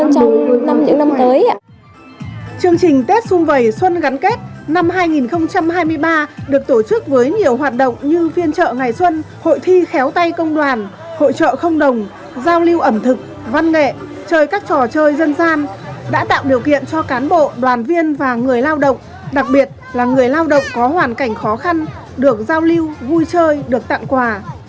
chương trình tết xuân vầy xuân gắn kết năm hai nghìn hai mươi ba được tổ chức với nhiều hoạt động như phiên trợ ngày xuân hội thi khéo tay công đoàn hội trợ không đồng giao lưu ẩm thực văn nghệ chơi các trò chơi dân gian đã tạo điều kiện cho cán bộ đoàn viên và người lao động đặc biệt là người lao động có hoàn cảnh khó khăn được giao lưu vui chơi được tặng quà